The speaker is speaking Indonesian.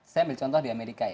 saya ambil contoh di amerika ya